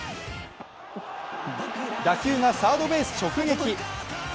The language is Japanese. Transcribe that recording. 打球がサードベース直撃。